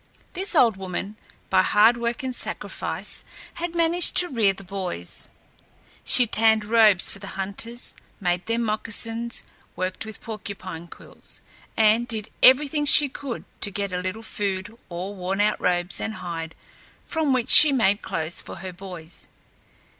This old woman, by hard work and sacrifice, had managed to rear the boys. She tanned robes for the hunters, made them moccasins worked with porcupine quills, and did everything she could to get a little food or worn out robes and hide, from which she made clothes for her boys.